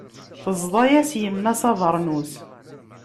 Teẓḍa-yas yemma-s abernus.